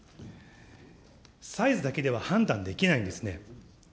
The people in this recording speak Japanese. サイズだけでは判断できないんですね。